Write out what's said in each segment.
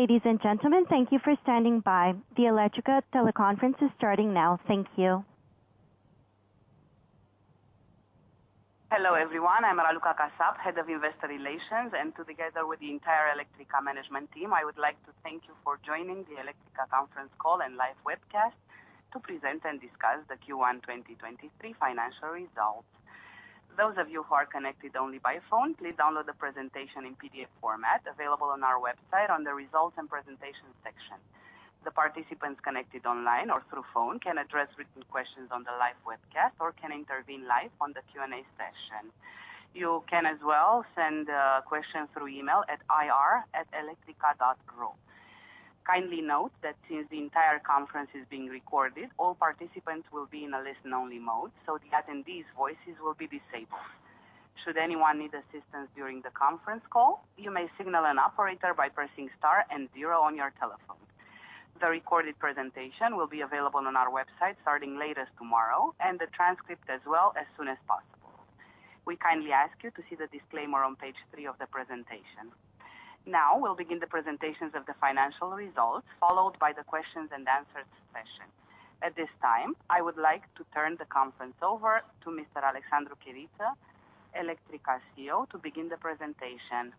Ladies and gentlemen, thank you for standing by. The Electrica teleconference is starting now. Thank you. Hello, everyone. I'm Raluca Kasap, head of Investor Relations, and together with the entire Electrica management team, I would like to thank you for joining the Electrica conference call and live webcast to present and discuss the Q1 2023 financial results. Those of you who are connected only by phone, please download the presentation in PDF format available on our website on the results and presentation section. The participants connected online or through phone can address written questions on the live webcast or can intervene live on the Q&A session. You can as well send a question through email at ir@electrica.ro. Kindly note that since the entire conference is being recorded, all participants will be in a listen-only mode, so the attendees' voices will be disabled. Should anyone need assistance during the conference call, you may signal an operator by pressing star and zero on your telephone. The recorded presentation will be available on our website starting late as tomorrow, and the transcript as well as soon as possible. We kindly ask you to see the disclaimer on page three of the presentation. Now, we'll begin the presentations of the financial results, followed by the questions-and-answers session. At this time, I would like to turn the conference over to Mr. Alexandru Chiriță, Electrica CEO, to begin the presentation.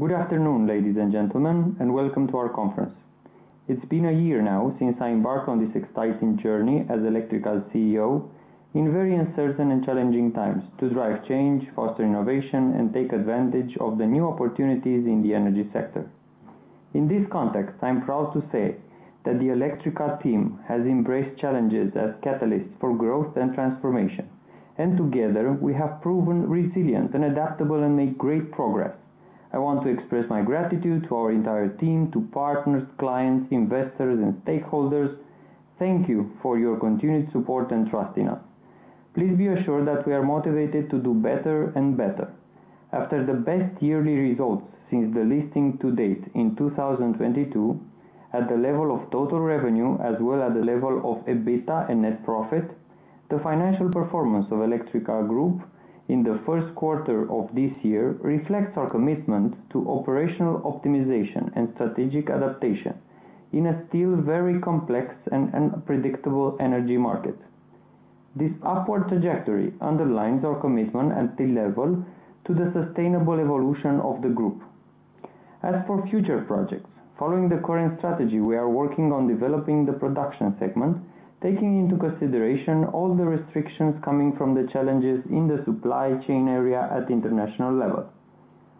Good afternoon, ladies and gentlemen. Welcome to our conference. It's been a year now since I embarked on this exciting journey as Electrica's CEO in very uncertain and challenging times to drive change, foster innovation, and take advantage of the new opportunities in the energy sector. In this context, I'm proud to say that the Electrica team has embraced challenges as catalysts for growth and transformation, and together, we have proven resilient and adaptable and made great progress. I want to express my gratitude to our entire team, to partners, clients, investors, and stakeholders. Thank you for your continued support and trust in us. Please be assured that we are motivated to do better and better. After the best yearly results since the listing to date in 2022 at the level of total revenue as well at the level of EBITDA and net profit, the financial performance of Electrica Group in the first quarter of this year reflects our commitment to operational optimization and strategic adaptation in a still very complex and unpredictable energy market. This upward trajectory underlines our commitment at the level to the sustainable evolution of the group. As for future projects, following the current strategy, we are working on developing the production segment, taking into consideration all the restrictions coming from the challenges in the supply chain area at international level.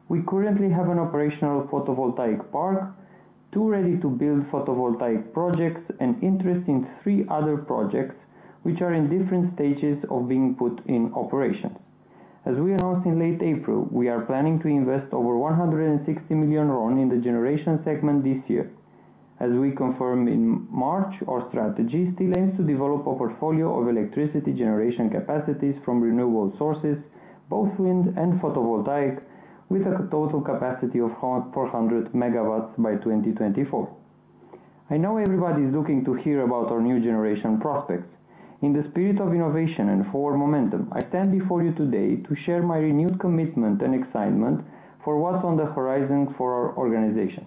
We currently have an operational photovoltaic park, two ready-to-build photovoltaic projects, and interest in three other projects which are in different stages of being put in operation. We announced in late April, we are planning to invest over RON 160 million in the generation segment this year. We confirmed in March, our strategy still aims to develop a portfolio of electricity generation capacities from renewable sources, both wind and photovoltaic, with a total capacity of 400 megawatts by 2024. I know everybody's looking to hear about our new generation prospects. In the spirit of innovation and forward momentum, I stand before you today to share my renewed commitment and excitement for what's on the horizon for our organization.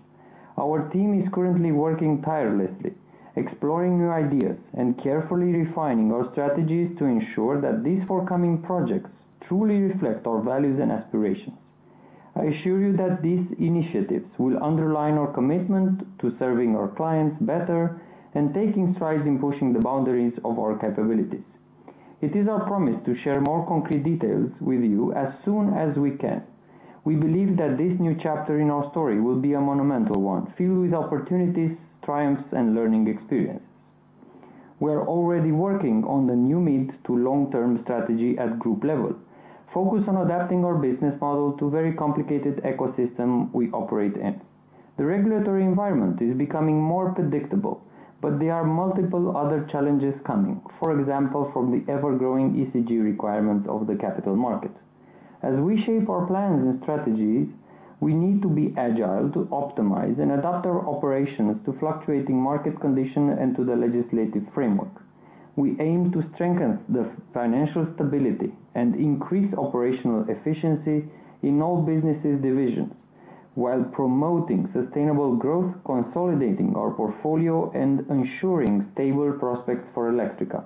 Our team is currently working tirelessly, exploring new ideas, and carefully refining our strategies to ensure that these forthcoming projects truly reflect our values and aspirations. I assure you that these initiatives will underline our commitment to serving our clients better and taking strides in pushing the boundaries of our capabilities. It is our promise to share more concrete details with you as soon as we can. We believe that this new chapter in our story will be a monumental one, filled with opportunities, triumphs, and learning experiences. We are already working on the new mid to long-term strategy at group level, focused on adapting our business model to very complicated ecosystem we operate in. The regulatory environment is becoming more predictable, but there are multiple other challenges coming, for example, from the ever-growing ESG requirements of the capital market. As we shape our plans and strategies, we need to be agile to optimize and adapt our operations to fluctuating market condition and to the legislative framework. We aim to strengthen the financial stability and increase operational efficiency in all businesses divisions while promoting sustainable growth, consolidating our portfolio, and ensuring stable prospects for Electrica.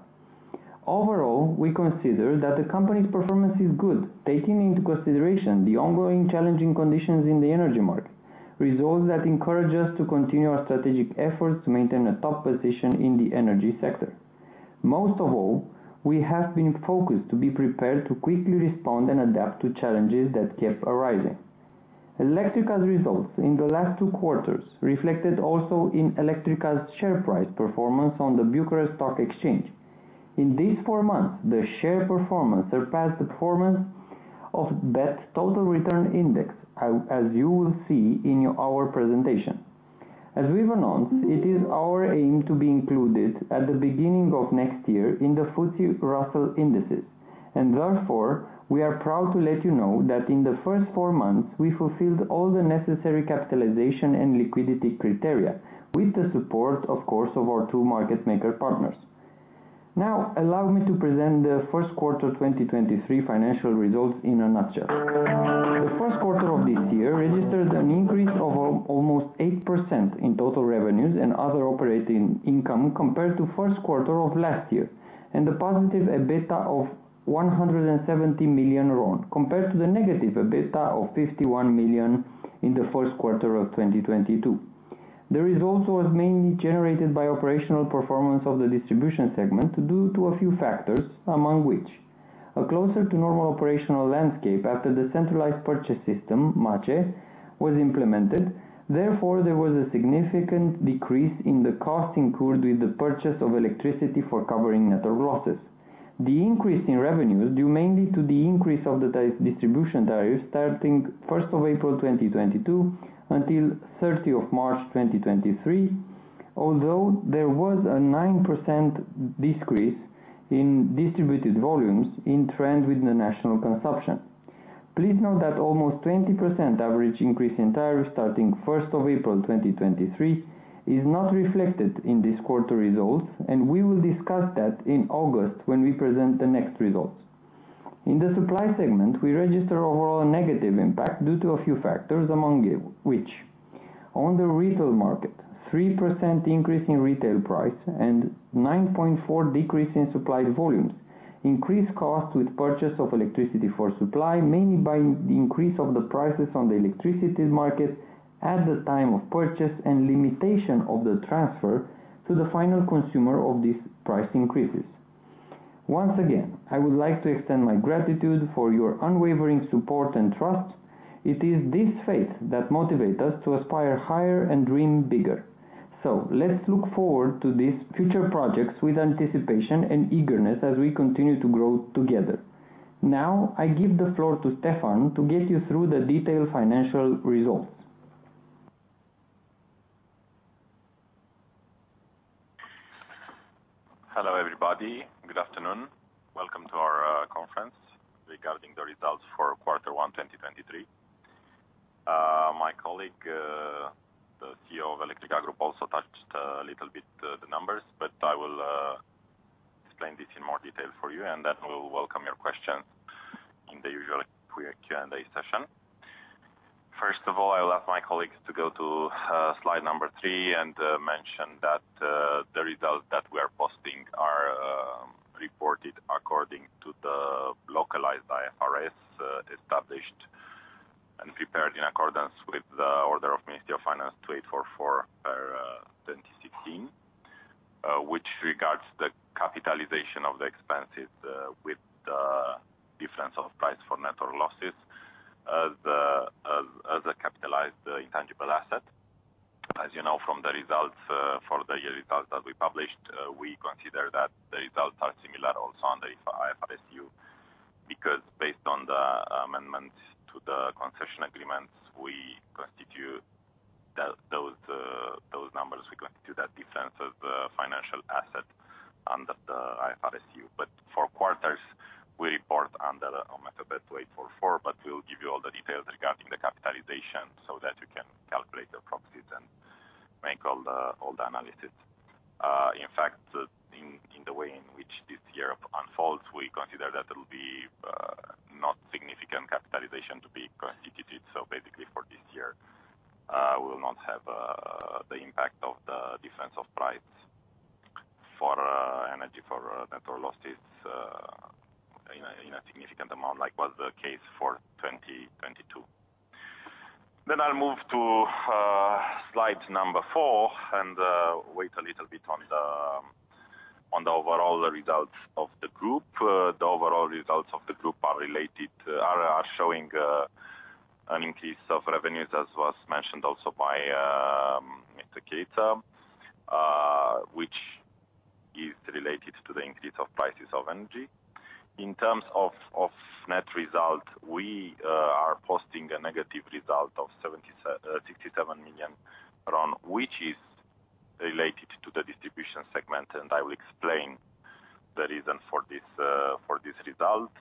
Overall, we consider that the company's performance is good, taking into consideration the ongoing challenging conditions in the energy market. Results that encourage us to continue our strategic efforts to maintain a top position in the energy sector. Most of all, we have been focused to be prepared to quickly respond and adapt to challenges that kept arising. Electrica's results in the last two quarters reflected also in Electrica's share price performance on the Bucharest Stock Exchange. In these four months, the share performance surpassed the performance of that total return index, as you will see in our presentation. As we've announced, it is our aim to be included at the beginning of next year in the FTSE Russell Indices. Therefore, we are proud to let you know that in the first four months, we fulfilled all the necessary capitalization and liquidity criteria with the support, of course, of our two market maker partners. Now, allow me to present the first quarter 2023 financial results in a nutshell. The first quarter of this year registered an increase of almost 8% in total revenues and other operating income compared to first quarter of last year, and a positive EBITDA of RON 170 million, compared to the negative EBITDA of RON 51 million in the first quarter of 2022. The results was mainly generated by operational performance of the distribution segment due to a few factors, among which: A closer to normal operational landscape after the centralized purchase system, MACEE, was implemented. Therefore, there was a significant decrease in the cost incurred with the purchase of electricity for covering network losses. The increase in revenue due mainly to the increase of the distribution tariff starting first of April 2022 until 30 of March 2023, although there was a 9% decrease in distributed volumes in trend with the national consumption. Please note that almost 20% average increase in tariff starting first of April 2023 is not reflected in this quarter results, and we will discuss that in August when we present the next results. In the supply segment, we register overall a negative impact due to a few factors, among which: On the retail market, 3% increase in retail price and 9.4% decrease in supplied volumes. Increased cost with purchase of electricity for supply, mainly by increase of the prices on the electricity market at the time of purchase and limitation of the transfer to the final consumer of these price increases. Once again, I would like to extend my gratitude for your unwavering support and trust. It is this faith that motivate us to aspire higher and dream bigger. Let's look forward to these future projects with anticipation and eagerness as we continue to grow together. Now, I give the floor to Stefan to get you through the detailed financial results. Hello, everybody. Good afternoon. Welcome to our conference regarding the results for quarter one 2023. My colleague, the CEO of Electrica Group, also touched a little bit the numbers, but I will explain this in more detail for you, and then we'll welcome your questions in the usual Q&A session. First of all, I will ask my colleagues to go to slide number three and mention that the results that we are posting are reported according to the localized IFRS, established and prepared in accordance with the Order of Ministry of Finance 2844/2016, which regards the capitalization of the expenses with the difference of price for net or losses as a capitalized intangible asset. As you know, from the results, for the year results that we published, we consider that the results are similar also under IFRS-EU, because based on the amendments to the concession agreements, we constitute those numbers, we constitute that difference as the financial asset under the IFRS-EU. For quarters, we report under method 2844, but we'll give you all the details regarding the capitalization so that you can calculate the proxies and make all the analysis. In fact, in the way in which this year unfolds, we consider that it'll be not significant capitalization to be constituted. Basically for this year, we will not have the impact of the difference of price for energy for net or losses in a significant amount like was the case for 2022. I'll move to slide number 4 and wait a little bit on the overall results of the Group. The overall results of the Group are showing an increase of revenues, as was mentioned also by Mr. Chiriță, which is related to the increase of prices of energy. In terms of net result, we are posting a negative result of RON 67 million, which is related to the distribution segment, and I will explain the reason for this for this result,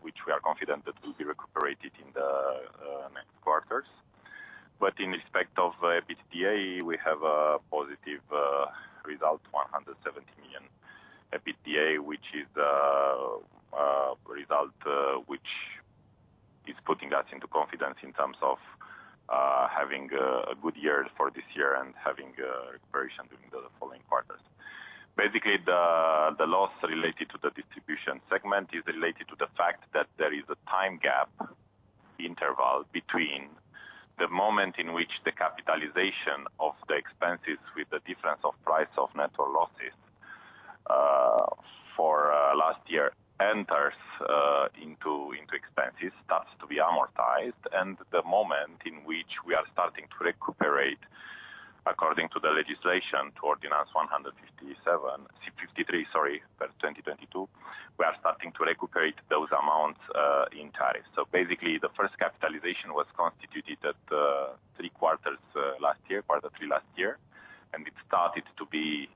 which we are confident that will be recuperated in the next quarters. In respect of EBITDA, we have a positive result, RON 170 million EBITDA, which is a result which is putting us into confidence in terms of having a good year for this year and having a recuperation during the following quarters. Basically, the loss related to the distribution segment is related to the fact that there is a time gap interval between the moment in which the capitalization of the expenses with the difference of price of net or losses for last year enters into expenses, starts to be amortized, and the moment in which we are starting to recuperate according to the legislation to Ordinance 153, sorry, 2022. We are starting to recuperate those amounts in tariff. Basically, the first capitalization was constituted at three quarters last year, quarter three last year, and it started to be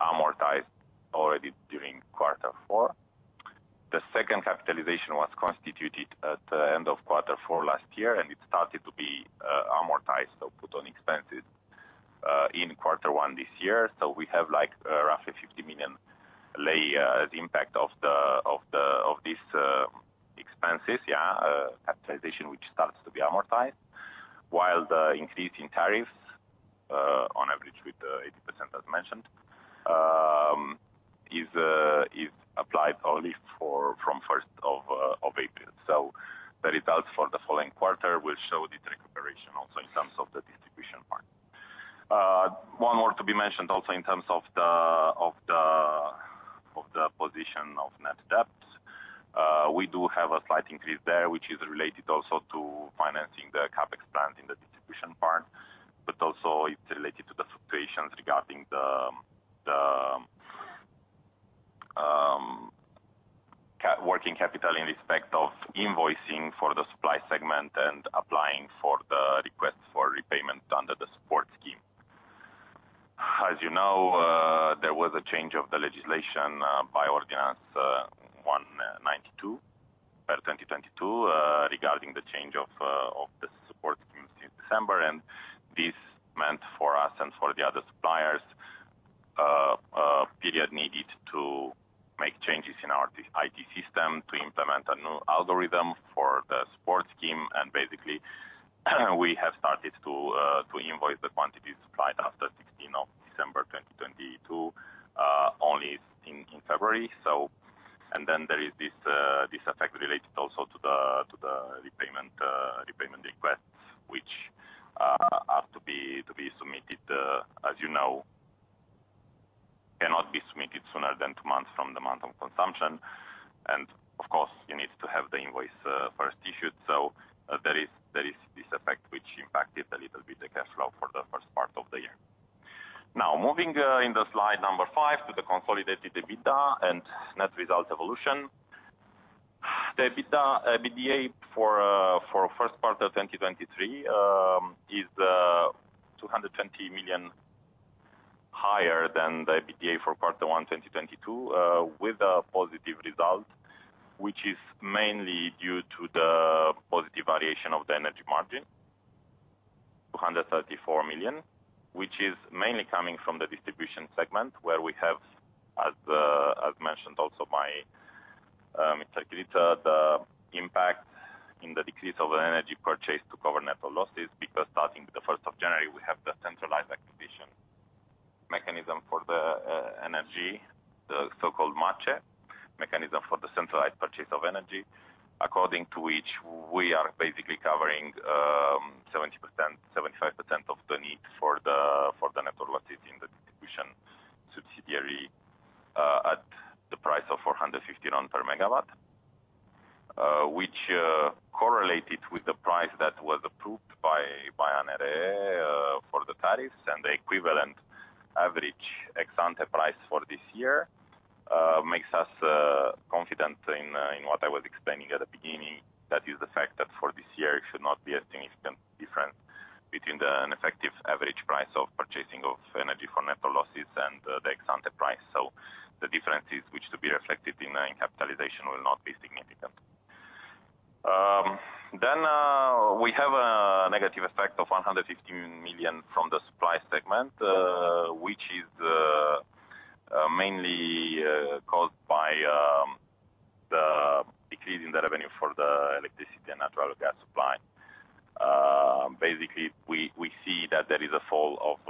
amortized already during quarter four. The second capitalization was constituted at the end of quarter four last year, and it started to be amortized or put on expenses in quarter one this year. So, we have like, roughly RON 50 million, the impact of the, of the, of these expenses. Yeah, capitalization, which starts to be amortized. While the increase in tariffs, on average with the 80% as mentioned, is applied only from 1st of April. The results for the following quarter will show this recuperation also in terms of the distribution part. One more to be mentioned also in terms of the, of the, of the position of net debt. we do have a slight increase there, which is related also to financing the CapEx plan in the distribution part, but also it's related to the fluctuations regarding the working capital in respect of invoicing for the supply segment and applying for the request for repayment under the support scheme. As you know, there was a change of the legislation by Ordinance one ninety-two per twenty twenty-two regarding the change of the support scheme since December. This meant for us and for the other suppliers, period needed to make changes in our IT system to implement a new algorithm for the support scheme. Basically, we have started to invoice the quantities supplied after 16th of December 2022 only in February. Then there is this effect related also to the repayment requests, which have to be submitted, as you know, cannot be submitted sooner than two months from the month of consumption. Of course, you need to have the invoice first issued. There is this effect which impacted a little bit the cash flow for the first part of the year. Now, moving in the slide number 5 to the consolidated EBITDA and net result evolution. The EBITDA for Q1 2023 is RON 220 million higher than the EBITDA for Q1 2022 with a positive result, which is mainly due to the positive variation of the energy margin, RON 234 million, which is mainly coming from the distribution segment, where we have, as mentioned also by Mr. Chiriță. The impact in the decrease of energy purchase to cover net losses, because starting with the 1st of January, we have the centralized acquisition mechanism for the energy, the so-called MACEE, Mechanism for the Centralized Purchase of Energy, according to which we are basically covering 70%, 75% of the need for the net losses in the distribution subsidiary, at the price of RON 450 per megawatt, which correlated with the price that was approved by ANRE for the tariffs and the equivalent average ex-ante price for this year, makes us confident in what I was explaining at the beginning. That is the fact that for this year, it should not be a significant difference between the ineffective average price of purchasing of energy for net losses and the ex-ante price. The differences which to be reflected in capitalization will not be significant. We have a negative effect of RON 150 million from the supply segment, which is mainly caused by the decrease in the revenue for the electricity and natural gas supply. We see that there is a fall of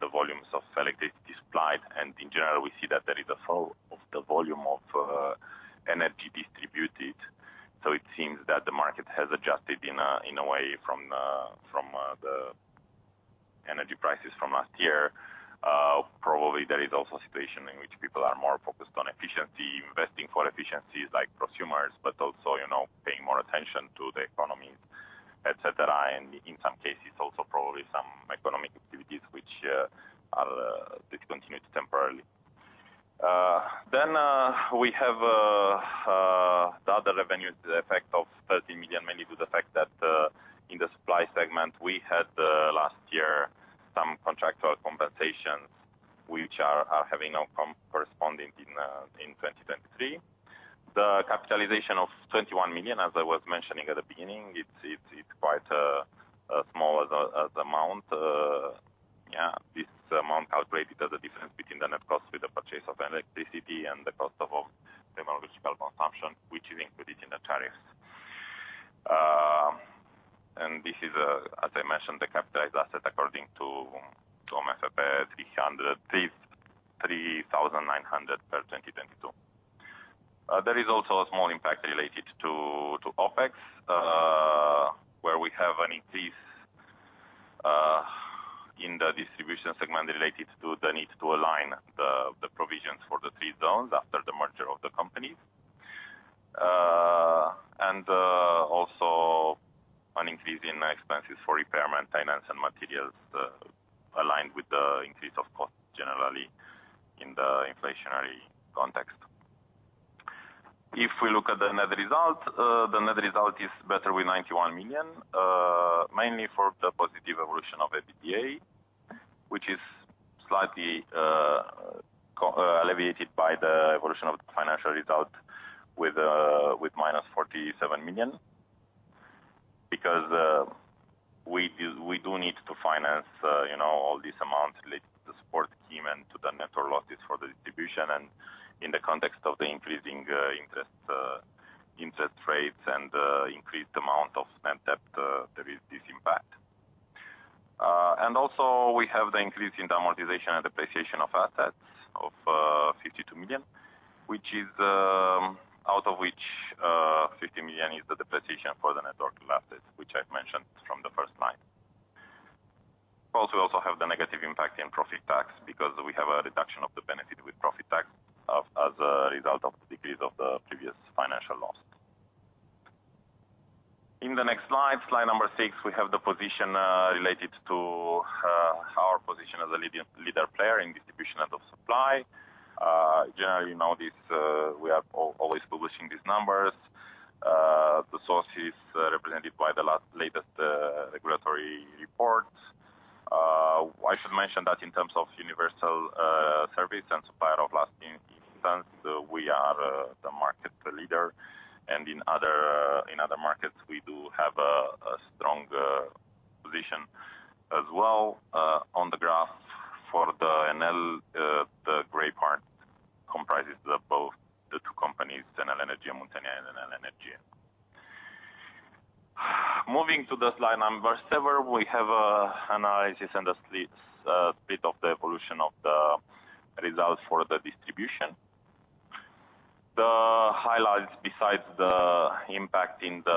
the volumes of electricity supplied, and in general, we see that there is a fall of the volume of energy distributed. It seems that the market has adjusted in a way from the energy prices from last year. There is also a situation in which people are more focused on efficiency, investing for efficiencies like prosumers, but also, you know, paying more attention to the economies, etc. In some cases, also probably some economic activities which are discontinued temporarily. Then, we have the other revenue effect of RON 30 million, mainly with the fact that in the supply segment, we had last year some contractual compensations which are having now come corresponding in 2023. The capitalization of RON 21 million, as I was mentioning at the beginning, it's quite a small as amount. Yeah, this amount calculated as the difference between the net cost with the purchase of electricity and the cost of the marketable consumption, which is included in the tariffs. And this is, as I mentioned, the capitalized asset according to OMFP 3900/2022. There is also a small impact related to OpEx, where we have an increase in the distribution segment related to the need to align the provisions for the three zones after the merger of the companies. Increase in expenses for repair and maintenance and materials, aligned with the increase of cost generally in the inflationary context. If we look at the net result, the net result is better with RON 91 million, mainly for the positive evolution of EBITDA, which is slightly alleviated by the evolution of the financial result with -RON 47 million. Because we do need to finance, you know, all these amounts related to the support team and to the net or losses for the distribution. In the context of the increasing interest rates and increased amount of spent debt, there is this impact. Also we have the increase in the amortization and depreciation of assets of RON 52 million, which is out of which RON 50 million is the depreciation for the network losses, which I've mentioned from the first line. Also, we also have the negative impact in profit tax because we have a reduction of the benefit with profit tax as a result of the decrease of the previous financial loss. In the next slide number six, we have the position related to our position as a leader player in distribution and of supply. Generally, you know, this, we are always publishing these numbers. The source is represented by the last latest regulatory report. I should mention that in terms of universal service and supplier of last instance, we are the market leader. In other in other markets, we do have a strong position. As well, on the graph for the Enel, the gray part comprises the both, the two companies, Enel Energie Muntenia and Enel Energia. Moving to the slide number seven, we have analysis and a split of the evolution of the results for the distribution. The highlights besides the impact in the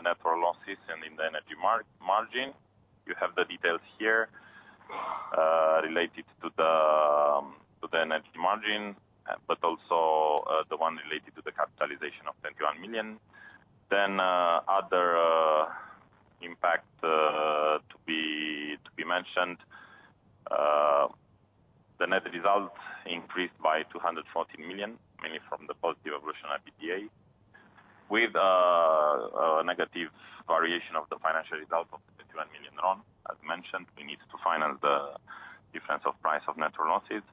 net losses and in the energy margin. You have the details here, related to the energy margin, but also the one related to the capitalization of RON 21 million. The net results increased by RON 214 million, mainly from the positive evolution at EBITDA, with a negative variation of the financial result of RON 21 million. As mentioned, we need to finance the difference of price of net losses.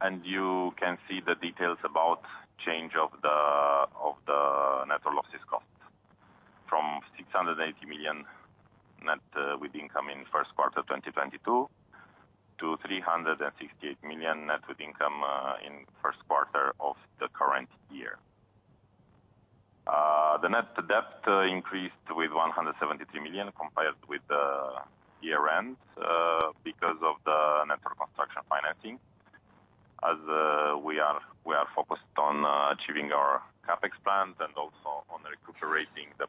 And you can see the details about change of the net losses cost from RON 680 million net, with income in first quarter 2022 to RON 368 million net with income, in first quarter of the current year. The net debt increased with RON 173 million compared with the year-end, because of the net construction financing. As we are focused on achieving our CapEx plans and also on recuperating the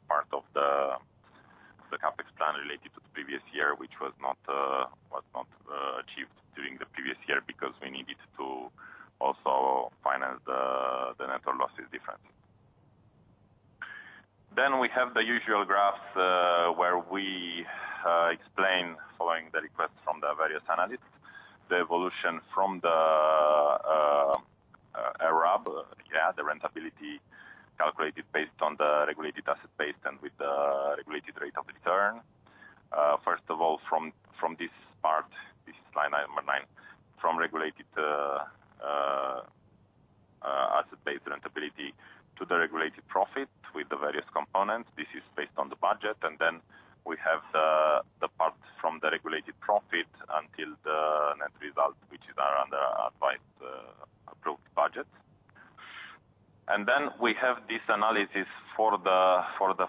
CapEx plan related to the previous year, which was not achieved during the previous year because we needed to also finance the net or losses difference. We have the usual graphs, where we explain following the request from the various analysts, the evolution from the RAB. Yeah, the rentability calculated based on the regulated asset base and with the regulated rate of return. First of all, from this part, this is slide number nine, from regulated asset-based rentability to the regulated profit with the various components. This is based on the budget. We have the part from the regulated profit until the net result, which is around the advised approved budget. We have this analysis for the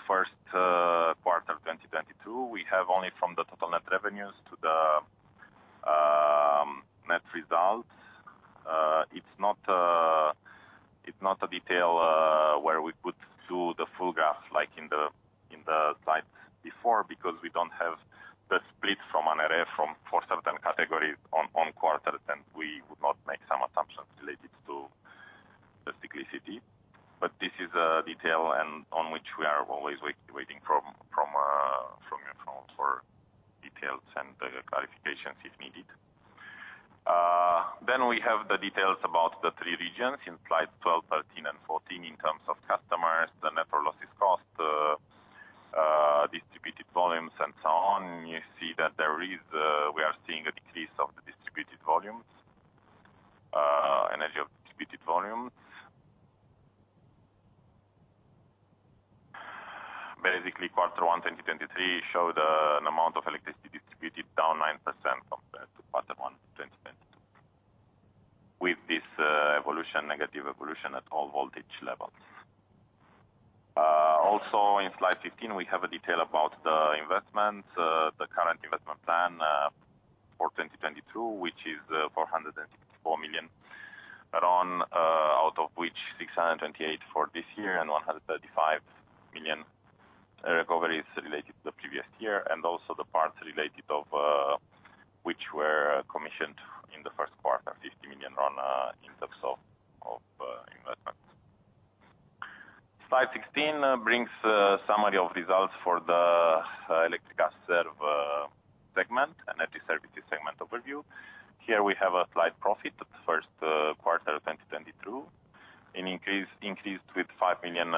first quarter of 2022. We have only from the total net revenues to the net results. It's not a detail where we put through the full graph like in the slides before because we don't have the split from ANRE from for certain categories on quarters, and we would not make some assumptions related to the cyclicity. This is a detail and on which we are always waiting from you for details and clarifications if needed. We have the details about the three regions in slide 12, 13, and 14 in terms of customers, the net or losses cost, distributed volumes, and so on. You see that there is, we are seeing a decrease of the distributed volumes, energy of distributed volumes. Quarter one 2023 showed an amount of electricity distributed down 9% compared to quarter one 2022. With this, evolution, negative evolution at all voltage levels. Also in slide 15, we have a detail about the investments, the current investment plan for 2022, which is RON 464 million, out of which RON 628 million for this year and RON 135 million recovery is related to the previous year and also the parts related of which were commissioned in the first quarter, RON 50 million in terms of investment. Slide 16 brings a summary of results for the Electrica Serv segment. Energy services segment overview. Here we have a slight profit at first quarter 2022. Increased with RON 5 million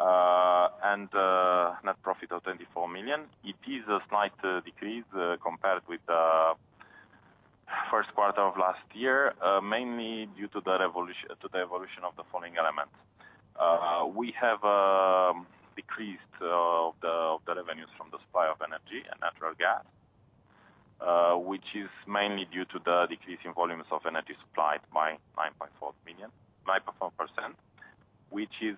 and net profit of RON 24 million. It is a slight decrease compared with the first quarter of last year, mainly due to the evolution of the following elements. We have decreased the revenues from the supply of energy and natural gas, which is mainly due to the decrease in volumes of energy supplied by 9.4%, which is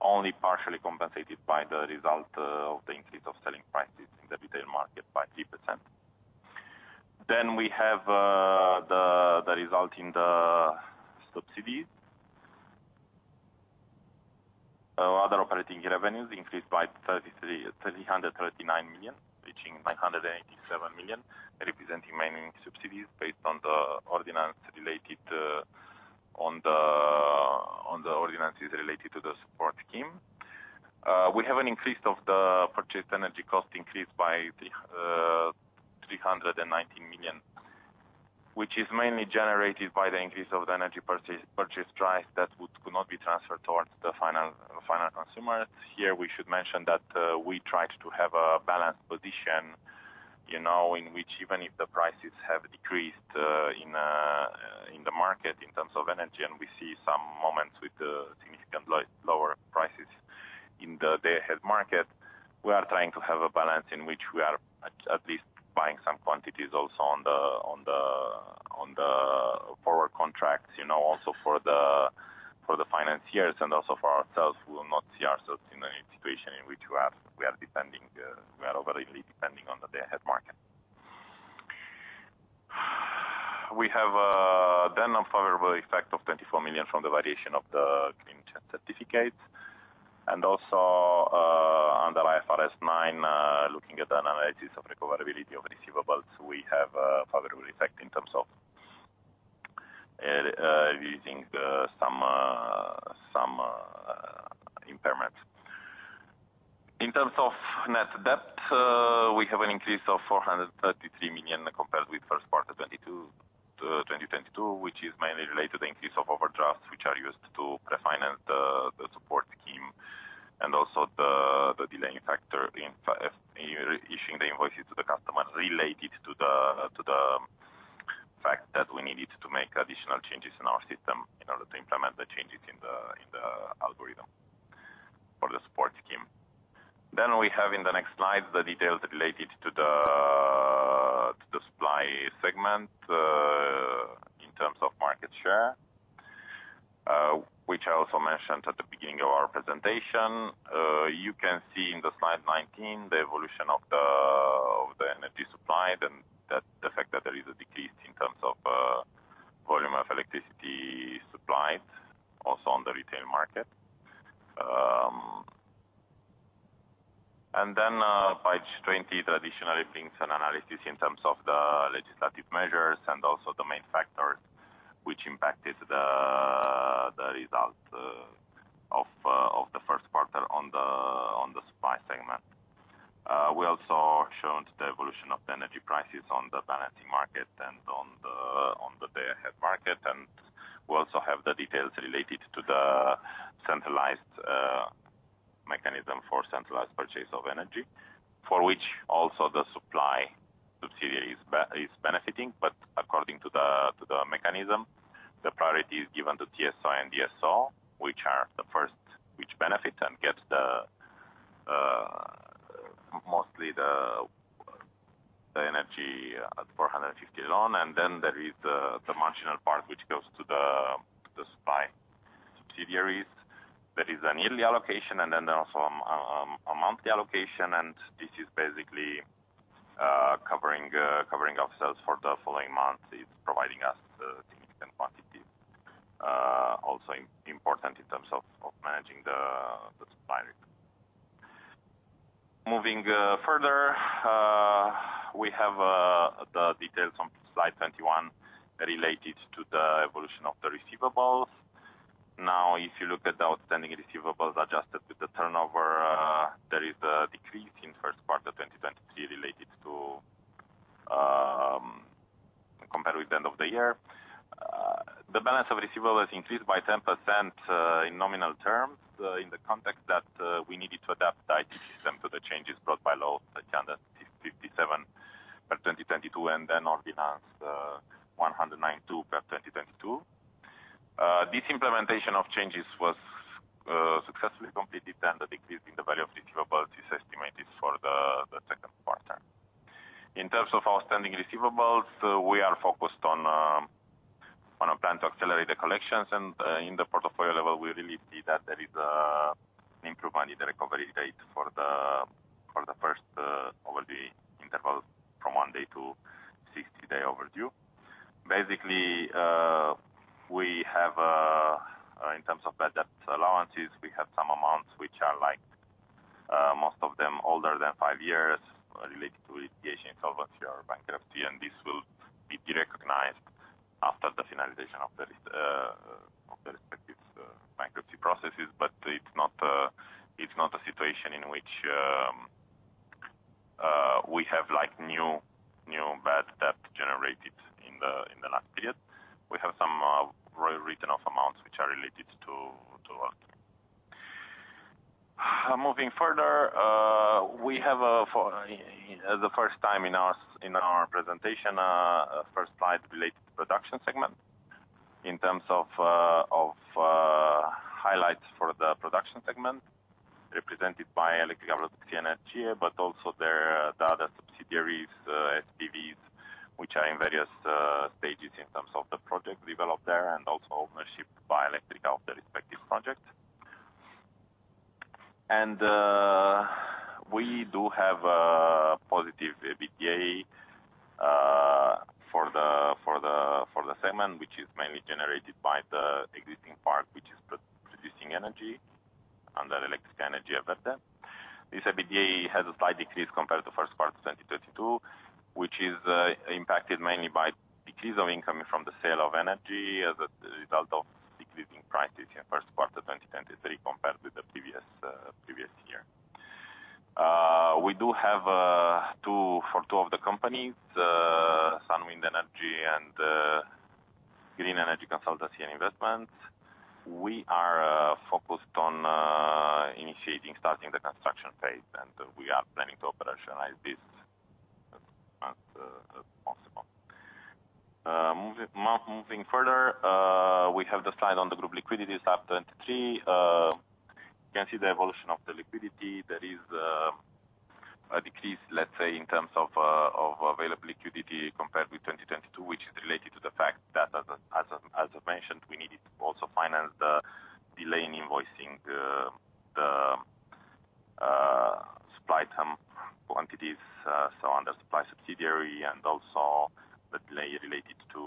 only partially compensated by the result of the increase of selling prices in the retail market by 3%. We have the result in the subsidies. Other operating revenues increased by RON 339 million, reaching RON 987 million, representing mainly subsidies based on the ordinances related to the support scheme. We have an increase of the purchased energy cost increased by RON 390 million, which is mainly generated by the increase of the energy purchase price that could not be transferred towards the final consumers. Here we should mention that, we try to have a balanced position, you know, in which even if the prices have decreased, in the market in terms of energy, and we see some moments with significant lower prices in the day-ahead market, we are trying to have a balance in which we are at least buying some quantities also on the forward contracts, you know, also for the financiers and also for ourselves, we will not see ourselves in any situation in which we are depending, we are overly depending on the day-ahead market. We have then unfavorable effect of RON 24 million from the variation of the green certificates, and also, under IFRS 9, looking at the analysis of recoverability of receivables, we have a favorable effect in terms of using some impairment. In terms of net debt, we have an increase of RON 433 million compared with first quarter 2022, which is mainly related to increase of overdrafts, which are used to prefinance the support scheme, and also the delaying factor in re-issuing the invoices to the customers related to the fact that we needed to make additional changes in our system in order to implement the changes in the algorithm for the support scheme. We have in the next slides the details related to the supply segment, in terms of market share, which I also mentioned at the beginning of our presentation. You can see in the slide 19 the evolution of the energy supplied and the fact that there is a decrease in terms of volume of electricity supplied also on the retail market. Page 20 traditionally brings an analysis in terms of the legislative measures and also the main factors which impacted the result of the first quarter on the supply segment. We also showed the evolution of the energy prices on the balancing market and on the day-ahead market. We also have the details related to the centralized mechanism for centralized purchase of energy, for which also the supply subsidiary is benefiting. According to the mechanism, the priority is given to TSO and DSO, which benefit and gets the energy at RON 450, and then there is the marginal part which goes to the supply subsidiaries. There is a yearly allocation and then also a monthly allocation, and this is basically covering ourselves for the following month. It's providing us significant quantities. Also important in terms of managing the supply. Moving further, we have the details on slide 21 related to the evolution of the receivables. If you look at the outstanding receivables adjusted with the turnover, there is a decrease in first part of 2023 related to, compared with the end of the year. The balance of receivables increased by 10% in nominal terms, in the context that we needed to adapt the IT system to the changes brought by Law 357 of 2022, and then Ordinance 192/2022. This implementation of changes was successfully completed, and the decrease in the value of receivables is estimated for the second quarter. In terms of outstanding receivables, we are focused on a plan to accelerate the collections. In the portfolio level, we really see that there is improvement in the recovery date for the first overdue interval from one day to 60 day overdue. Basically, we have in terms of bad debt allowances, we have some amounts which are like most of them older than five years, related to litigation, insolvency or bankruptcy, and this will be de-recognized after the finalization of the respective bankruptcy processes. It's not a situation in which we have like new bad debt generated in the last period. We have some written off amounts which are related to. Moving further, we have for the first time in our presentation, first slide related to production segment. In terms of highlights for the production segment represented by Electric Romgaz Energie, but also the other subsidiaries, SPVs, which are in various stages in terms of the project developed there, and also ownership by Electrica of the respective projects. We do have positive EBITDA for the segment, which is mainly generated by the existing park, which is pro-producing energy under Electrica Energie Verde. This EBITDA has a slight decrease compared to first quarter 2022, which is impacted mainly by decrease of income from the sale of energy as a result of decreasing prices in first quarter 2023 compared with the previous year. We do have for two of the companies, Sunwind Energy and Green Energy Consulting & Investments. We are focused on initiating, starting the construction phase. We are planning to operationalize this as possible. Moving further, we have the slide on the group liquidity, slide 23. You can see the evolution of the liquidity. There is a decrease, let's say, in terms of available liquidity compared with 2022, which is related to the fact that as I mentioned, we needed to also finance the delay in invoicing the supply some quantities, so under supply subsidiary and also the delay related to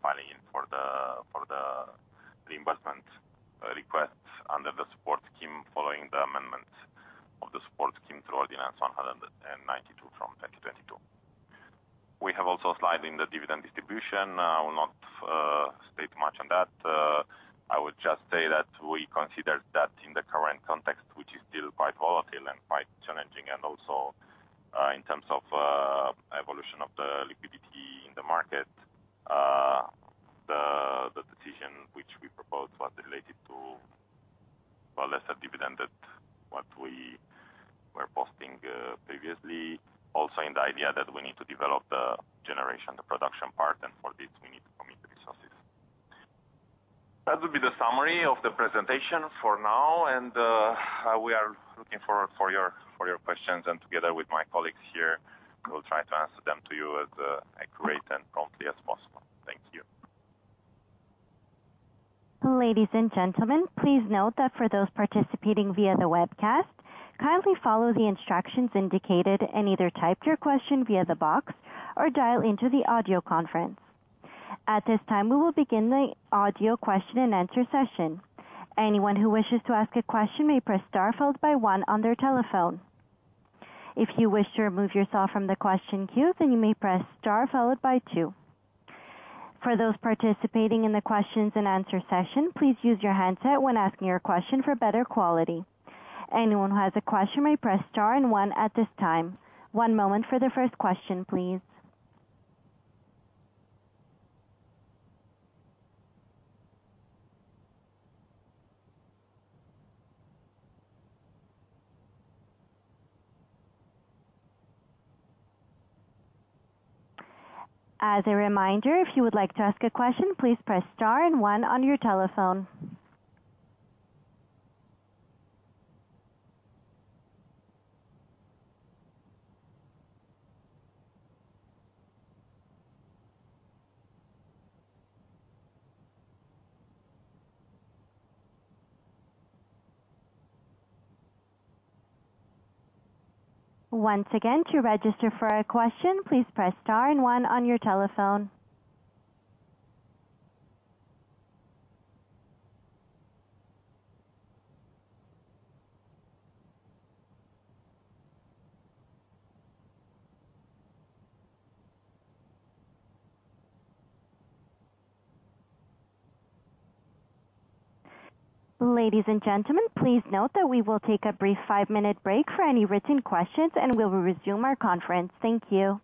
filing in for the reimbursement request under the support scheme, following the amendments of the support scheme through Ordinance 192/2022. We have also a slide in the dividend distribution. I will not state much on that. I would just say that we considered that in the current context, which is still quite volatile and quite challenging, and also, in terms of evolution of the liquidity in the market, the decision which we proposed was related to a lesser dividend than what we were posting previously. Also in the idea that we need to develop the generation, the production part, and for this we need to commit resources. That would be the summary of the presentation for now. We are looking forward for your questions. Together with my colleagues here, we'll try to answer them to you as accurate and promptly as possible. Thank you. Ladies and gentlemen, please note that for those participating via the webcast, kindly follow the instructions indicated and either type your question via the box or dial into the audio conference. At this time, we will begin the audio question-and-answer session. Anyone who wishes to ask a question may press star followed by one on their telephone. If you wish to remove yourself from the question queue, you may press star followed by two. For those participating in the questions-and-answer session, please use your handset when asking your question for better quality. Anyone who has a question may press star and one at this time. One moment for the first question, please. As a reminder, if you would like to ask a question, please press star and one on your telephone. Once again, to register for a question, please press star and one on your telephone. Ladies and gentlemen, please note that we will take a brief five-minute break for any written questions, and we'll resume our conference. Thank you.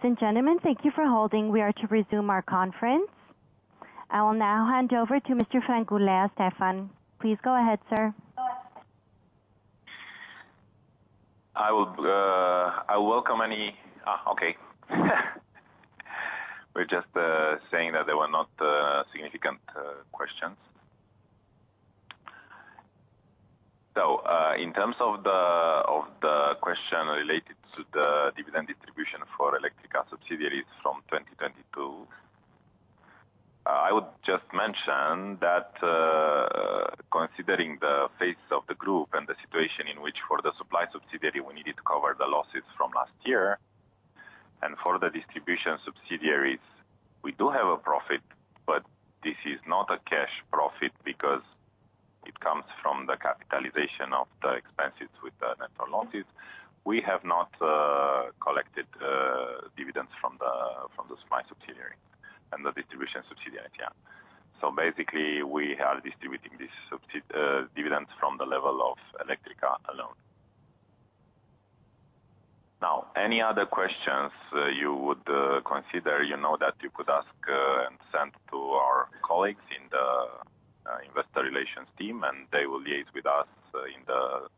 Ladies and gentlemen, thank you for holding. We are to resume our conference. I will now hand over to Mr. Frangulea Stefan. Please go ahead, sir. Okay. We're just saying that there were not significant questions. In terms of the question related to the dividend distribution for Electrica subsidiaries from 2022, I would just mention that considering the face of the group and the situation in which for the supply subsidiary, we needed to cover the losses from last year. For the distribution subsidiaries, we do have a profit, but this is not a cash profit because it comes from the capitalization of the expenses with the net losses. We have not collected dividends from the supply subsidiary and the distribution subsidiary. Basically, we are distributing this dividend from the level of Electrica alone. Now, any other questions you would consider, you know that you could ask and send to our colleagues in the Investor Relations team, and they will liaise with us in the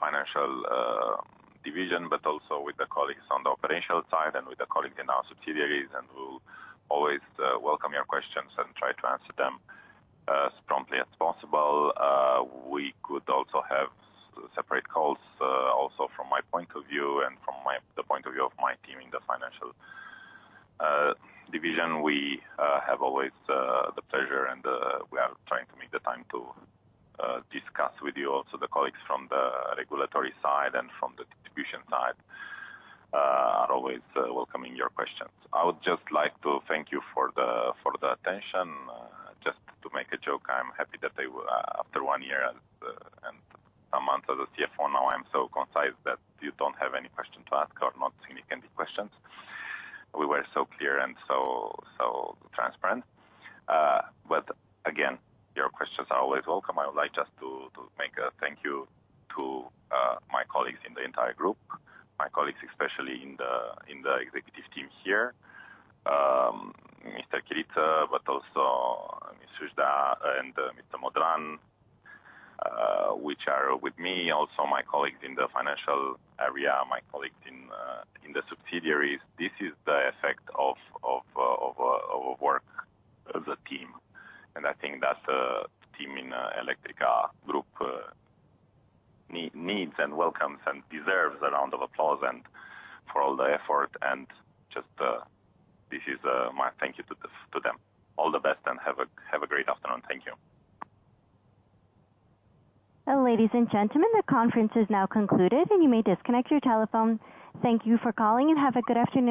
financial division, but also with the colleagues on the operational side and with the colleague in our subsidiaries, and we'll always welcome your questions and try to answer them as promptly as possible. We could also have separate calls, also from my point of view and from the point of view of my team in the financial division. We have always the pleasure and we are trying to make the time to discuss with you. The colleagues from the regulatory side and from the distribution side are always welcoming your questions. I would just like to thank you for the attention. Just to make a joke, I'm happy that they were after one year and a month as a CFO, now I'm so concise that you don't have any question to ask or not significant questions. We were so clear and so transparent. Again, your questions are always welcome. I would like just to make a thank you to my colleagues in the entire group, my colleagues, especially in the executive team here. Mr. Chiriță, also Sujdea and Modran, which are with me, also my colleagues in the financial area, my colleagues in the subsidiaries. This is the effect of work as a team. I think that the team in Electrica Group needs and welcomes and deserves a round of applause and for all the effort. Just, this is my thank you to them. All the best, and have a great afternoon. Thank you. Ladies and gentlemen, the conference is now concluded, and you may disconnect your telephone. Thank you for calling, and have a good afternoon.